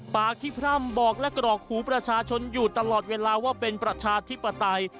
ปากที่พร่ำบอกและกรอกหูประชาชนอยู่ตลอดเวลาว่าเป็นประชาธิปไตย